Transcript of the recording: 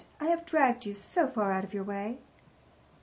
I have dragged you so far out of your way."